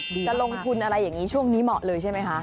จะลงทุนอะไรอย่างนี้ช่วงนี้เหมาะเลยใช่ไหมคะ